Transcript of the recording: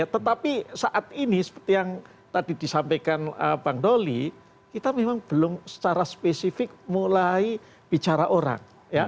tetapi saat ini seperti yang tadi disampaikan bang doli kita memang belum secara spesifik mulai bicara orang